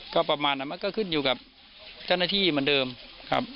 ก็ประมาณนั้นมันก็ขึ้นอยู่กับเจ้าหน้าที่เหมือนเดิมครับ